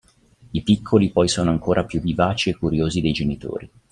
I piccoli poi sono ancora più vivaci e curiosi dei genitori.